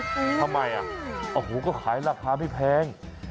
ทำไมอ่ะโอ้โหก็ขายราคาไม่แพง